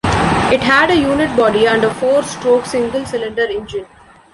It had a unit body and a four-stroke single-cylinder engine.